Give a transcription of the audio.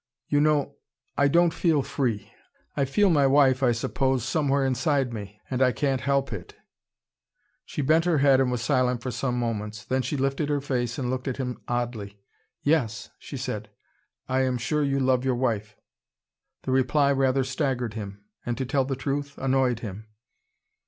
You know I don't feel free. I feel my wife, I suppose, somewhere inside me. And I can't help it " She bent her head and was silent for some moments. Then she lifted her face and looked at him oddly. "Yes," she said. "I am sure you love your wife." The reply rather staggered him and to tell the truth, annoyed him.